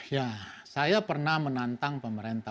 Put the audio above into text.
ya saya pernah menantang pemerintah